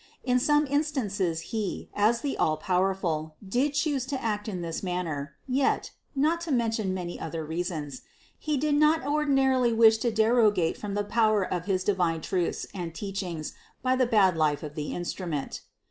In some instances He, as the Allpowerful, did choose to act in this manner, yet (not to mention many other reasons) He did not ordinarily wish to derogate from the power of his divine truths and teachings by the bad life of the instrument.